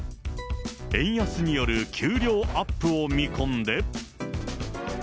円安による給料アップを見込んで。